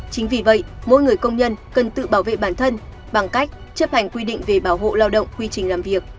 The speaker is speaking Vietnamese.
chính vì vậy mỗi người công nhân cần tự bảo vệ bản thân bằng cách chấp hành quy định về bảo hộ lao động quy trình làm việc